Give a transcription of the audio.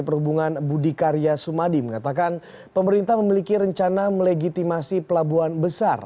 perhubungan budi karya sumadi mengatakan pemerintah memiliki rencana melegitimasi pelabuhan besar